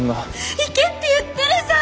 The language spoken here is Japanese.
行けって言ってるじゃん！